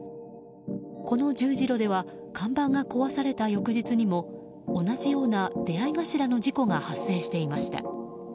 この十字路では看板が壊された翌日にも同じような出会い頭の事故が発生していました。